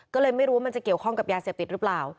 ก็เลยไม่รู้ว่ามันจะเกี่ยวข้องกับยาเสพติดหรือเปล่า